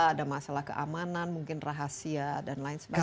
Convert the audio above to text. ada masalah keamanan mungkin rahasia dan lain sebagainya